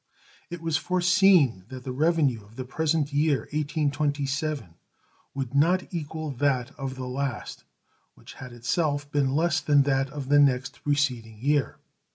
It was foreseen that the revenue of the present year 1827 would not equal that of the last, which had itself been less than that of the next preceding year.